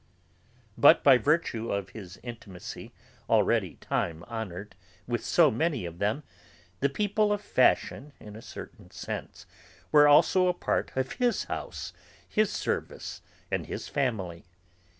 But, by virtue of his intimacy, already time honoured, with so many of them, the people of fashion, in a certain sense, were also a part of his house, his service, and his family.